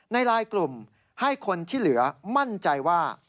ในไลน์กลุ่มให้คนที่เหลือมั่นใจว่า